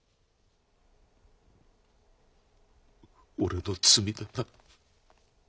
俺の罪だな。